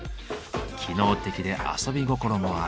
機能的で遊び心もある。